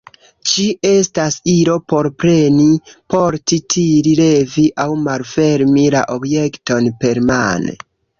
Ĝi estas ilo por preni, porti, tiri, levi aŭ malfermi la objekton permane.